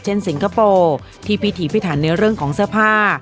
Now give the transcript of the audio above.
สิงคโปร์ที่พิถีพิถันในเรื่องของเสื้อผ้า